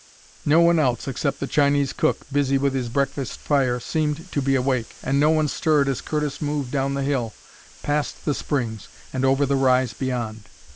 No one else, except the Chinese cook, busy with his breakfast fire, seemed to be awake, and no one stirred as Curtis moved down the hill, past the springs, and over the rise beyond.